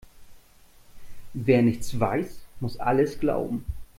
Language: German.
Wer nichts weiß, muss alles glauben.